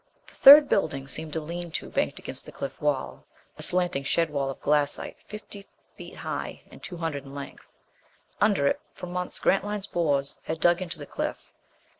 The third building seemed a lean to banked against the cliff wall, a slanting shed wall of glassite fifty feet high and two hundred in length. Under it, for months Grantline's bores had dug into the cliff.